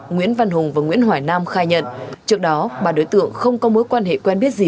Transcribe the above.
nguyễn văn hùng và nguyễn hoài nam khai nhận trước đó ba đối tượng không có mối quan hệ quen biết gì